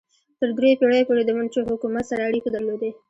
تر دریو پیړیو پورې د منچو حکومت سره اړیکې درلودې.